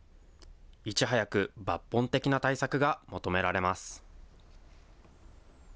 いち早く抜本的な対策が求められます。